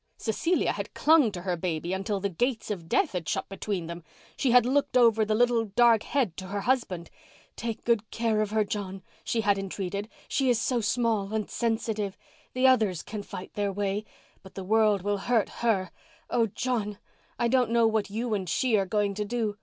Cecilia had clung to her baby until the gates of death had shut between them. She had looked over the little dark head to her husband. "Take good care of her, John," she had entreated. "She is so small—and sensitive. The others can fight their way—but the world will hurt her. Oh, John, I don't know what you and she are going to do.